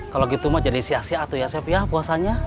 kalau gitu mau jadi sia siatu ya sep ya puasanya